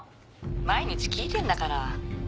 毎日聞いてんだから。